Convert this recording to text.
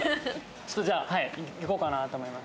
ちょっとじゃあはい行こうかなと思います。